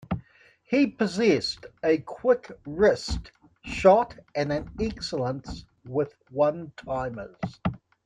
He possessed a quick wrist shot and an excellence with one-timers.